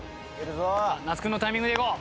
那須君のタイミングでいこう。